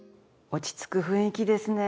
落ち着く雰囲気ですね。